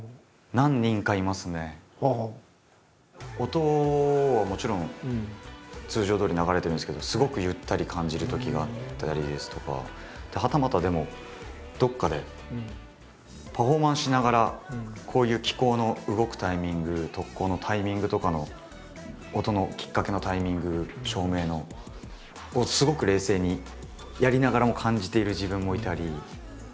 音はもちろん通常どおり流れてるんですけどすごくゆったり感じるときがあったりですとかはたまたでもどっかでパフォーマンスしながらこういう機構の動くタイミング特効のタイミングとかの音のきっかけのタイミング照明のをすごく冷静にやりながらも感じている自分もいたり。